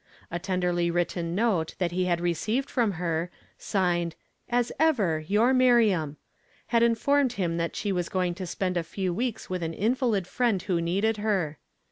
A tenderly written note that he had received from her, signed "As ever your Miriam," had informed him that she wa^ gomg to spend a few weeks with an invalid fnend who needed her.